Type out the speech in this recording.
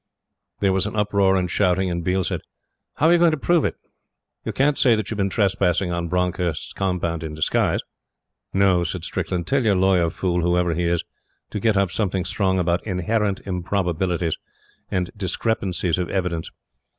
There was uproar and shouting, and Biel said: "How are you going to prove it? You can't say that you've been trespassing on Bronckhorst's compound in disguise!" "No," said Strickland. "Tell your lawyer fool, whoever he is, to get up something strong about 'inherent improbabilities' and 'discrepancies of evidence.'